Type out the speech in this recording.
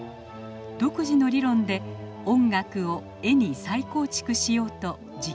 独自の理論で音楽を絵に再構築しようと実験を重ねました。